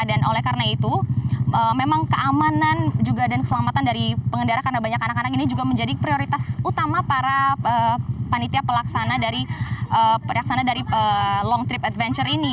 dan oleh karena itu memang keamanan juga dan keselamatan dari pengendara karena banyak anak anak ini juga menjadi prioritas utama para panitia pelaksana dari long trip adventure ini